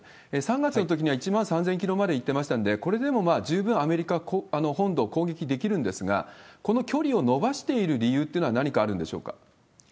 ３月のときには１万３０００キロまで言ってましたんで、これでも十分アメリカ本土を攻撃できるんですが、この距離を伸ばしている理由というのは、何かあるんでしょうか？